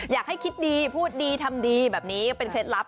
อยากให้คิดดีพูดดีทำดีแบบนี้ก็เป็นเคล็ดลับ